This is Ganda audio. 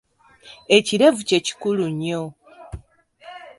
Ekirevu kye kikulu nnyo.